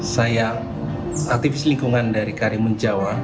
saya aktivis lingkungan dari karimun jawa